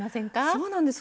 そうなんです